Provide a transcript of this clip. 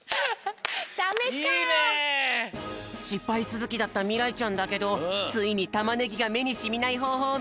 しっぱいつづきだったみらいちゃんだけどついにタマネギがめにしみないほうほうをみつけたんだって。